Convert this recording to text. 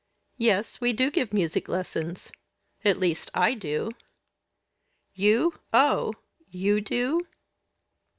"Yes, we do give music lessons at least, I do." "You? Oh! You do?"